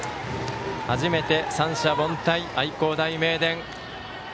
初めて三者凡退、愛工大名電。